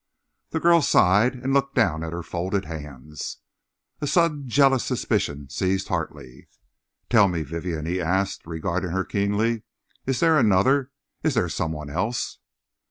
The girl sighed and looked down at her folded hands. A sudden jealous suspicion seized Hartley. "Tell me, Vivienne," he asked, regarding her keenly, "is there another—is there some one else